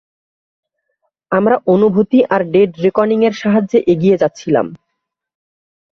আমরা অনুভূতি আর ডেড রেকনিং এর সাহায্যে এগিয়ে যাচ্ছিলাম।